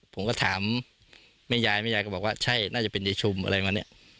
ผมก็ถามแม่ยายแม่ยายก็บอกว่าใช่น่าจะเป็นยายชุมอะไรมาเนี่ย